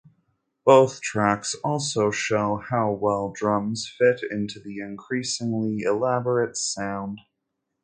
Both tracks also show how well drums fit into the increasingly elaborate sound.